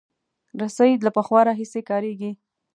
رسۍ له پخوا راهیسې کارېږي.